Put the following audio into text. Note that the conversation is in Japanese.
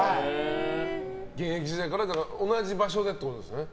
現役時代から同じ場所でってことですね。